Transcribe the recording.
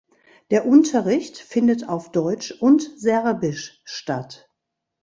Der Unterricht findet auf Deutsch und Serbisch statt.